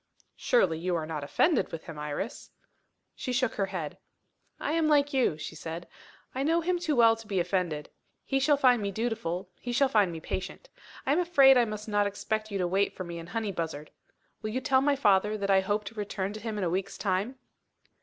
"Surely, you are not offended with him, Iris?" She shook her head. "I am like you," she said. "I know him too well to be offended. He shall find me dutiful, he shall find me patient. I am afraid I must not expect you to wait for me in Honeybuzzard. Will you tell my father that I hope to return to him in a week's time?"